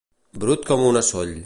Brut com una soll.